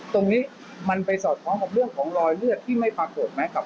ตรงนี้มันไปสอดคล้องกับเรื่องของรอยเลือดที่ไม่ปรากฏไหมครับ